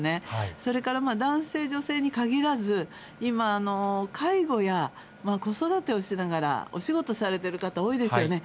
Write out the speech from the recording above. それから男性、女性に限らず、今、介護や子育てをしながらお仕事されてる方、多いですよね。